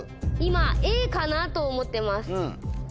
かな？と思ってます。